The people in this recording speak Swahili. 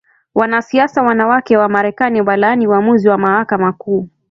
Wanasiasa wanawake wa Marekani walaani uamuzi wa Mahakama Kuu